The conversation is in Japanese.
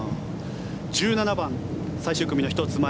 １７番、最終組の１つ前。